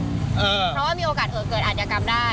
เพราะว่ามีโอกาสเอ่อนเกิดอ่านยากรรมได้